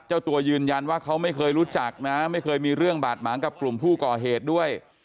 เจ้าตัวยืนยันว่าเขาไม่เคยรู้จักนะไม่เคยมีเรื่องบาดหมางกับกลุ่มผู้ก่อเหตุด้วย